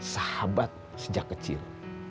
sahabat sejak kecil